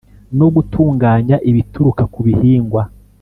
no gutunganya ibituruka ku bihingwa.